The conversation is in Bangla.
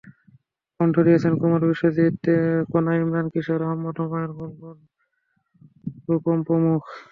কণ্ঠ দিয়েছেন কুমার বিশ্বজিৎ, কনা, ইমরান, কিশোর, আহমেদ হুমায়ূন, মুনমুন, রূপম প্রমুখ।